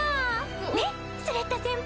ねっスレッタ先輩。